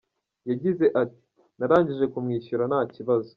Yagize ati “Narangije kumwishyura nta kibazo.